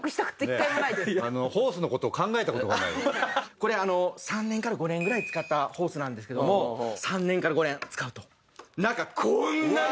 これ３年から５年ぐらい使ったホースなんですけども３年から５年使うと中こんなに！